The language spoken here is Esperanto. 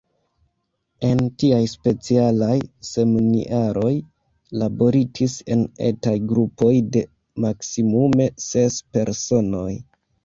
En tiaj specialaj semniaroj laboritis en etaj grupoj de maksimume ses personoj.